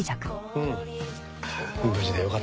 うん。